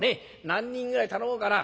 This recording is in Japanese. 何人ぐらい頼もうかな。